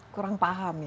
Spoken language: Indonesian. kurang paham ya